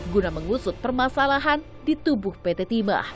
guna mengusut permasalahan di tubuh pt timah